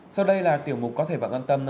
sau đây là tiểu mục có thể bạn quan tâm